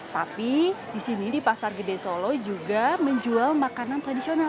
tapi di sini di pasar gede solo juga menjual makanan tradisional